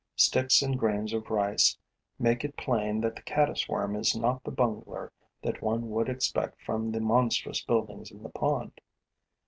Sticks and grains of rice make it plain that the caddis worm is not the bungler that one would expect from the monstrous buildings in the pond.